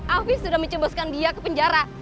afif sudah mencoboskan dia ke penjara